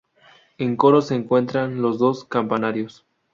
En coro se encuentran los dos campanarios.